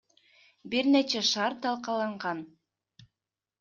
Бир канча шаар талкаланган.